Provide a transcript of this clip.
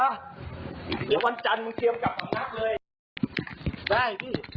เดี๋ยววันจันทร์มึงเตรียมกลับสำนักเลยได้พี่